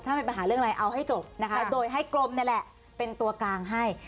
ถ้าเป็นปัญหาเรื่องอะไรเอาให้จบนะคะโดยให้กรมนี่แหละเป็นตัวกลางให้